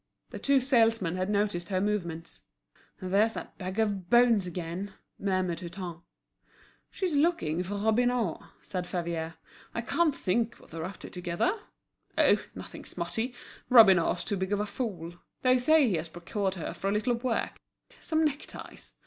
The two salesmen had noticed her movements. "There's that bag of bones again," murmured Hutin. "She's looking for Robineau," said Favier. "I can't think what they're up to together. Oh! nothing smutty; Robineau's too big a fool. They say he has procured her a little work, some neckties.